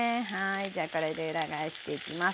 じゃあこれで裏返していきます。